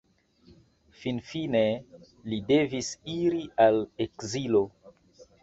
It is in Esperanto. Finfine li devis iri al ekzilo.